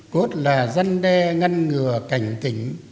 cốt là răn đe ngăn ngừa cảnh tỉnh